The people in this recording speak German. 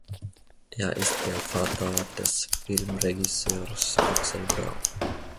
Er ist der Vater des Filmregisseurs Axel Braun.